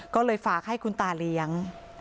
ก็เลยฝากให้คุณตาเลี้ยง